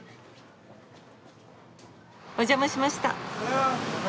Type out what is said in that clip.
お邪魔しました。